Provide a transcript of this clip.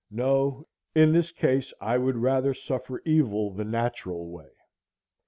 No,—in this case I would rather suffer evil the natural way.